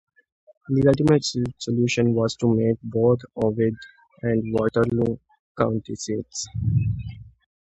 The ultimate solution was to make both Ovid and Waterloo county seats.